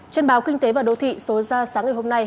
trên báo kinh tế và đô thị số ra sáng ngày hôm nay